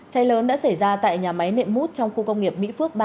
cháy lớn đã xảy ra tại nhà máy nệm mút trong khu công nghiệp mỹ phước ba